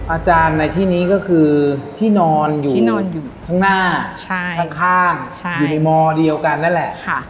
อาจารย์ในที่นี้ก็คือที่นอนอยู่ที่นอนอยู่ข้างหน้าข้างอยู่ในมเดียวกันนั่นแหละ